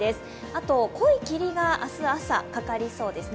あと、濃い霧が明日朝、かかりそうです。